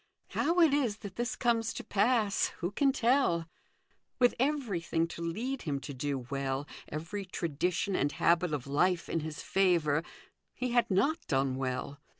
How it is that this comes to pass, who can tell ? With everything to lead him to do well, every tradition and habit of life in his favour, he had riot done well.